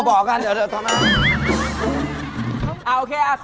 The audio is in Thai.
โอ้โห